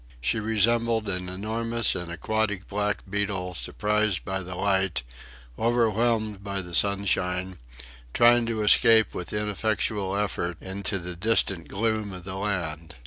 She resembled an enormous and aquatic black beetle, surprised by the light, overwhelmed by the sunshine, trying to escape with ineffectual effort into the distant gloom of the land.